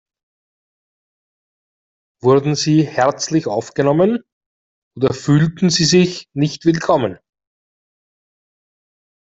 Wurden Sie herzlich aufgenommen oder fühlten Sie sich nicht willkommen?